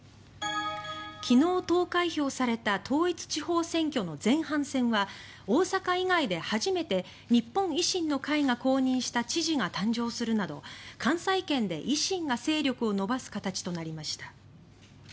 昨日投開票された統一地方選挙の前半戦は大阪以外で初めて日本維新の会が公認した知事が誕生するなど関西圏で維新が勢力を伸ばす形となりました。